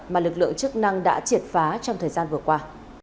mà lực lượng chức năng đã triệt phá trong thời gian vừa qua